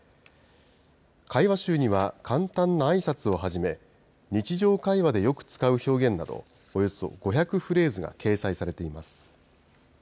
会話集には、簡単なあいさつをはじめ、日常会話でよく使う表現など、およそ５００フレーズが掲載されています。